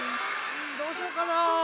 どうしようかな？